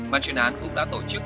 ban chuyên án cũng đã tổ chức